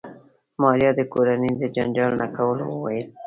ماريا د کورنۍ د جنجال نه کولو وويل.